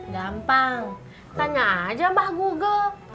gampang tanya aja mbah google